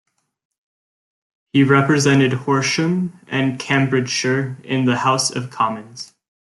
He represented Horsham and Cambridgeshire in the House of Commons.